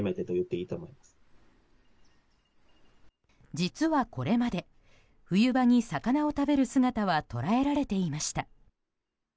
実はこれまで、冬場に魚を食べる姿は捉えられていました。